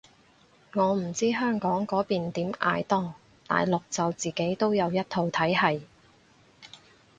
我唔知香港嗰邊點嗌多，大陸就自己都有一套體係